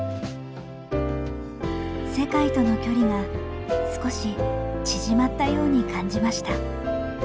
世界との距離が少し縮まったように感じました。